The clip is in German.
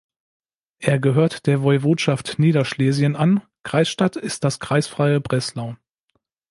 Er gehört der Woiwodschaft Niederschlesien an, Kreisstadt ist das kreisfreie Breslau.